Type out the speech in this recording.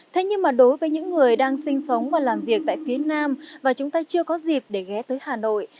thế nhưng mà đối với những người đang sinh sống và làm việc tại phía nam và chúng ta chưa có dịp để ghé tới hà nội